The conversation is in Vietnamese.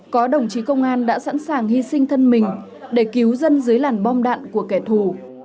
có đồng chí công an đã sẵn sàng hy sinh thân mình để cứu dân dưới làn bom đạn của kẻ thù